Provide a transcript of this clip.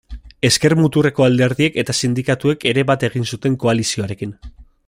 Ezker-muturreko alderdiek eta sindikatuek ere bat egin zuten koalizioarekin.